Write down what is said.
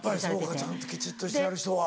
ちゃんときちっとしてはる人は。